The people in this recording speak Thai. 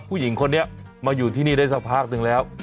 ผู้หญิงคนนี้มาอยู่ที่นี่ได้สักพักหนึ่งแล้ว